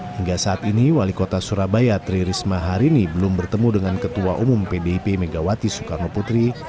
hingga saat ini wali kota surabaya tri risma hari ini belum bertemu dengan ketua umum pdip megawati soekarno putri